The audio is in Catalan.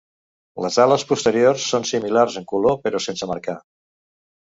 Les ales posteriors són similars en color, però sense marcar.